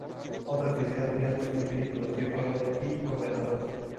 Otra actividad suya fue escribir y producir juegos de ordenador.